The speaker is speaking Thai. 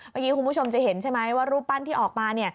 เมื่อกี้คุณผู้ชมจะเห็นใช่ไหมว่ารูปปั้นที่ออกมา